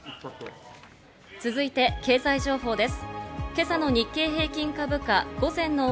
続いて経済情報です。